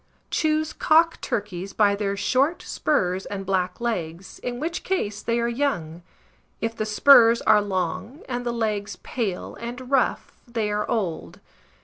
Choose cock turkeys by their short spurs and black legs, in which case they are young; if the spurs are long, and the legs pale and rough, they are old.